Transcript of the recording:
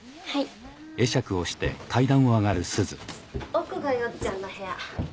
奥がよっちゃんの部屋。